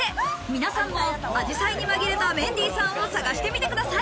皆さんも紫陽花に紛れたメンディーさんを探してみてください。